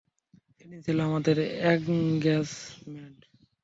সেদিন ছিল আমাদের এনগেজমেন্ট।